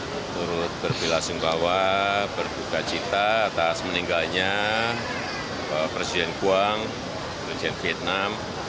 menurut bela sungkawa berbuka cita atas meninggalnya presiden quang presiden vietnam